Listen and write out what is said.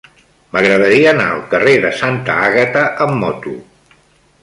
M'agradaria anar al carrer de Santa Àgata amb moto.